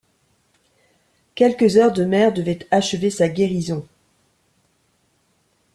Quelques heures de mer devaient achever sa guérison.